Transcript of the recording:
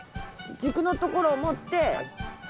軸のところを持って。